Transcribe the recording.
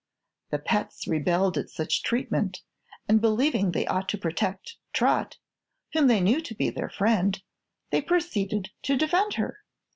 The pets rebelled at such treatment, and believing they ought to protect Trot, whom they knew to be their friend, they proceeded to defend her.